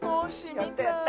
やったやった！